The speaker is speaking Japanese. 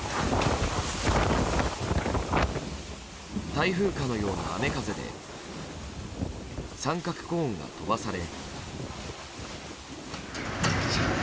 台風かのような雨風で三角コーンが飛ばされ。